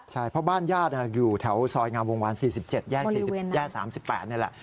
ใช่เพราะบ้านญาติอยู่แถวซอยงามวงวาน๔๗แยก๓๘นี่แหละ